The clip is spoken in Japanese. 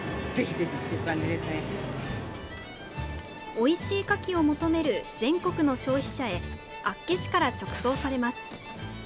おいしいカキを求める全国の消費者へ厚岸から直送されます。